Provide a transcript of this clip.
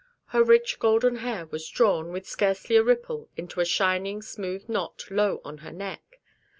Her rich golden hair was drawn, with scarcely a ripple, into a shining, smooth knot low on her neck.